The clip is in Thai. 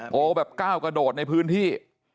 แบบก้าวกระโดดในพื้นที่